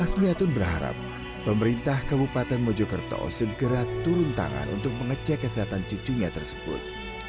asmiatun berharap pemerintah kabupaten mojokerto segera turun tangan untuk mengecek kesehatan cucunya tersebut